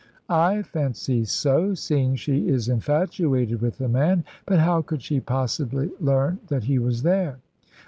"I fancy so, seeing she is infatuated with the man. But how could she possibly learn that he was there?"